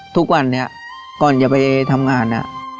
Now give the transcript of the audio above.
ทุกวันนี้ก่อนจะไปทำงาน